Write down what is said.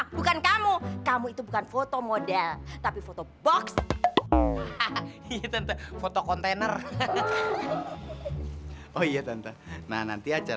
gue kerjain nih tante adisa